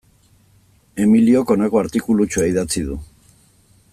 Emiliok honako artikulutxoa idatzi du.